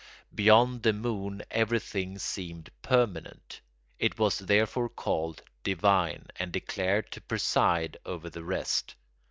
Beyond the moon everything seemed permanent; it was therefore called divine and declared to preside over the rest.